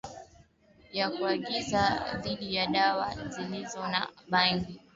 ya kuagiza bidhaa za dawa zilizo na bangi Pia inahusu maagizo